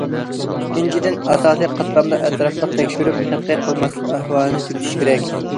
ئىككىنچىدىن، ئاساسىي قاتلامدا ئەتراپلىق تەكشۈرۈپ تەتقىق قىلماسلىق ئەھۋالىنى تۈگىتىش كېرەك.